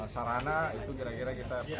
ya kalau tod kira kira di satu atau di dua itu